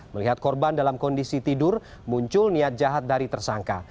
melihat korban dalam kondisi tidur muncul niat jahat dari tersangka